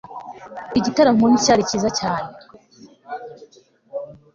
igitaramo nticyari cyiza cyane